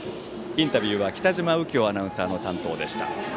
インタビューは北嶋右京アナウンサーの担当でした。